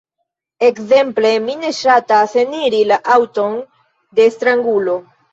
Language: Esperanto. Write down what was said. Ekzemple: mi ne ŝatas eniri la aŭton de strangulo.